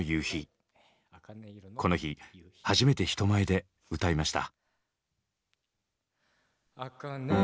この日初めて人前で歌いました。